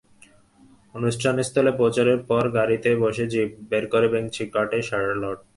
অনুষ্ঠানস্থলে পৌঁছানোর পর গাড়িতে বসেই জিব বের করে ভেংচি কাটে শার্লট।